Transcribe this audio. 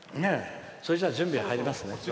それじゃ準備に入りますね。